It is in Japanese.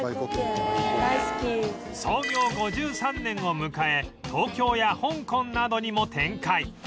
創業５３年を迎え東京や香港などにも展開